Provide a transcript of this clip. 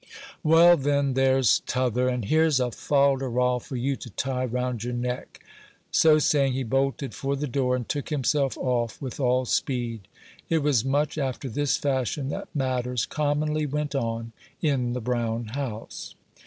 "Well, then, there's t'other; and here's a fol de rol for you to tie round your neck." So saying, he bolted for the door, and took himself off with all speed. It was much after this fashion that matters commonly went on in the brown house.